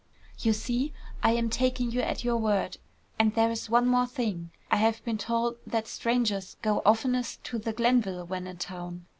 "You see, I am taking you at your word. And there's one more thing. I have been told that strangers go oftenest to the Glenville when in town.